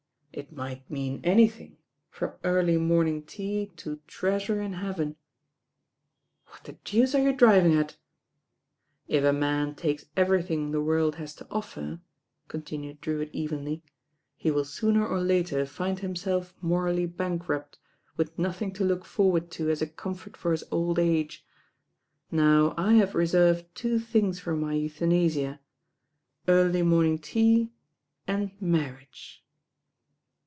"It might mean anything, from early morning tea to treasure in heaven." "What the deuce are you driving at?" "If a man takes everything the world has to offer, continued Drewitt evenly, "he will sooner or later find himself morally bankrupt, with nothing to look forward to as a comfort for his old age. Now I have reserved two things for my euthanasia, early morning tea and marriage."